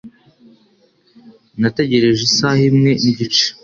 Nategereje isaha imwe nigice.